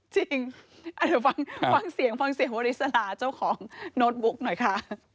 จริงเดี๋ยวฟังเสียงฟังเสียงวริสลาเจ้าของโน้ตบุ๊กหน่อยค่ะ